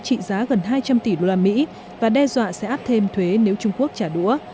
trị giá gần hai trăm linh tỷ đô la mỹ và đe dọa sẽ áp thêm thuế nếu trung quốc trả đũa